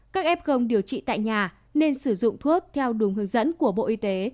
các ép không điều trị tại nhà nên sử dụng thuốc theo đúng hướng dẫn của bộ y tế